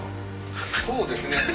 そうですね。